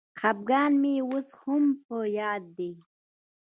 خپګان مي اوس هم په یاد دی.